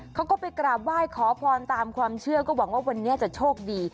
เขาก็ไปกราบไหว้ขอพรตามความเชื่อก็หวังว่าวันนี้จะโชคดี